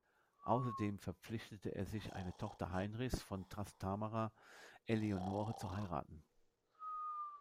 Außerdem verpflichtete er sich, eine Tochter Heinrichs von Trastámara, Eleonore, zu heiraten.